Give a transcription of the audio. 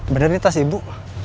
bener ini tas ibu